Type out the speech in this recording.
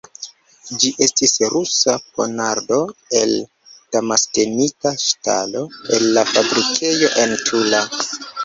Ĝi estis Rusa ponardo, el damaskenita ŝtalo, el la fabrikejo en Tula.